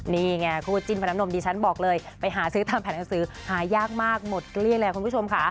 นี่ไงคู่จิ้นพนมดิฉันบอกเลยไปหาซื้อตามแผนหนังสือหายากมากหมดเกลี้ยเลยคุณผู้ชมค่ะ